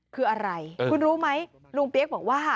คืออะไรคุณรู้ไหมลุงเปี๊ยกบอกว่า